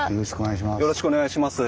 よろしくお願いします。